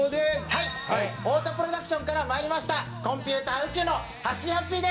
はい太田プロダクションからまいりましたコンピューター宇宙のはっしー